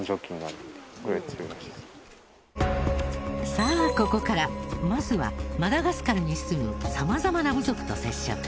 さあここからまずはマダガスカルに住むさまざまな部族と接触。